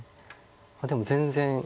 でも全然。